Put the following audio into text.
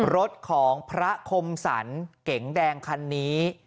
รถของพระคมสรรเก๋งแดงคันนี้